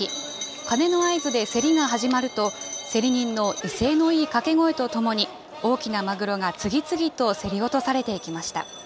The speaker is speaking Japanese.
鐘の合図で競りが始まると、競り人の威勢のいい掛け声とともに、大きなマグロが次々と競り落とされていきました。